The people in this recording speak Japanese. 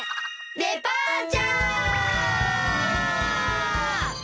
デパーチャー！